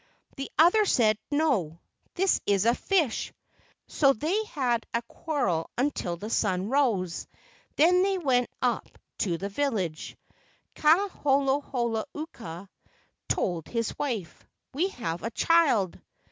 The other said, "No—This is a fish." So they had a quarrel until the sun rose. Then they went up to the village. Ka holo holo uka told his wife, "We have a child."